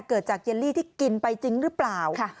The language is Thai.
เกิดจากเยลลี่ที่กินไปจริงหรือเปล่า